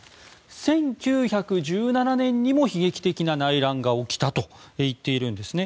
１９１７年にも悲劇的な内乱が起きたと言っているんですね。